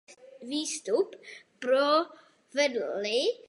Výstup provedli v alpském stylu.